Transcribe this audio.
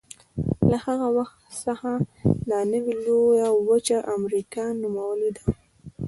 له هغه وخت څخه دا نوې لویه وچه امریکا نومولې ده.